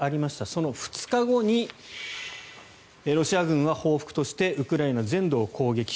その２日後にロシア軍は報復としてウクライナ全土を攻撃。